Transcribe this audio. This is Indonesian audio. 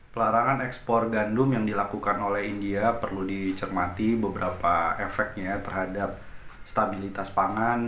pelarangan ekspor gandum yang dilakukan oleh india perlu dicermati beberapa efeknya terhadap stabilitas pangan